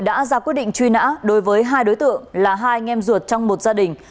đã ra quyết định truy nã đối với hai đối tượng là hai anh em ruột trong một gia đình